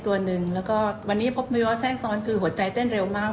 ตัวหนึ่งแล้วก็วันนี้พบภาวะแทรกซ้อนคือหัวใจเต้นเร็วมาก